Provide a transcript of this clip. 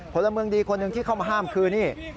พลเมืองดีคนหนึ่งที่เข้ามาห้ามคือนี่